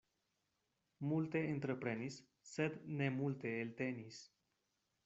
Multe entreprenis, sed ne multe eltenis.